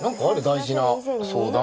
大事な相談。